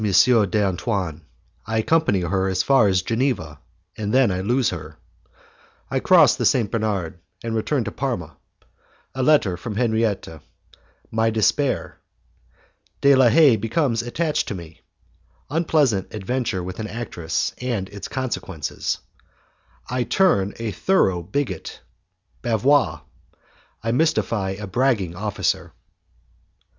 d'Antoine I Accompany Her as Far as Geneva and Then I Lose Her I Cross the St. Bernard, and Return to Parma A Letter from Henriette My Despair De La Haye Becomes Attached to Me Unpleasant Adventure with an Actress and Its Consequences I Turn a Thorough Bigot Bavois I Mystify a Bragging Officer.